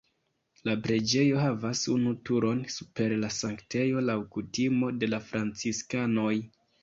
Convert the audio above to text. La preĝejo havas unu turon super la sanktejo laŭ kutimo de la franciskanoj.